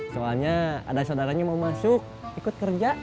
soalnya ada saudaranya mau masuk ikut kerja